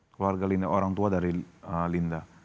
keluarga linda orang tua dari linda